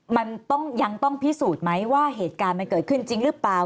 มันต้องยังต้องพิสูจน์ไหมว่าเหตุการณ์มันเกิดขึ้นจริงหรือเปล่า